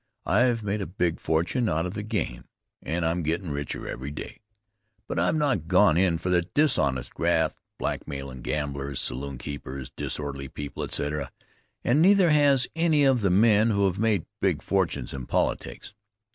I've made a big fortune out of the game, and I'm gettin' richer every day, but I've not gone in for dishonest graft blackmailin' gamblers, saloonkeepers, disorderly people, etc. and neither has any of the men who have made big fortunes in politics.